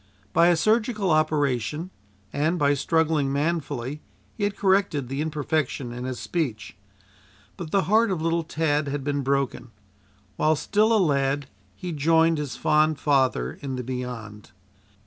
By a surgical operation, and by struggling manfully, he had corrected the imperfection in his speech. But the heart of little Tad had been broken. While still a lad he joined his fond father in the Beyond.